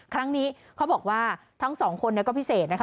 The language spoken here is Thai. ครั้งนี้เขาบอกว่าทั้งสองคนก็พิเศษนะคะ